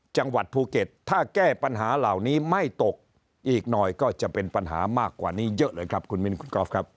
จังหวัดภูเก็ตถ้าแก้ปัญหาเหล่านี้ไม่ตกอีกหน่อยก็จะเป็นปัญหามากกว่านี้เยอะเลยครับคุณมินคุณกอล์ฟครับ